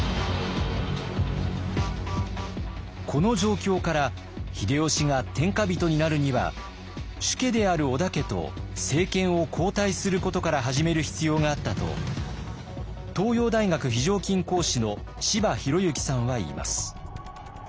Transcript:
この状況から秀吉が天下人になるには主家である織田家と政権を交代することから始める必要があったと東洋大学非常勤講師の柴裕之さんは言います。